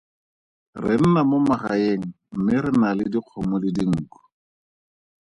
Re nna mo magaeng mme re na le dikgomo le dinku.